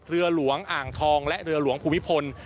เรือหลวงอ่างทองและเรือหลวงภูมิพล